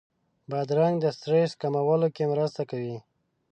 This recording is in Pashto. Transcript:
بادرنګ د سټرس کمولو کې مرسته کوي.